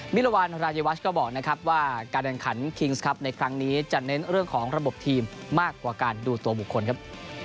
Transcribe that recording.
วิรวรรณรายวัชก็บอกนะครับว่าการแข่งขันคิงส์ครับในครั้งนี้จะเน้นเรื่องของระบบทีมมากกว่าการดูตัวบุคคลครับ